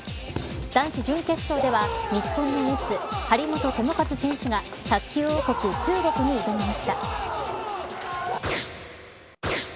男子準決勝では日本のエース、張本智和選手が卓球王国、中国に挑みました。